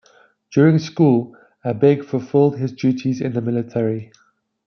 During school, Abegg fulfilled his duties in the military.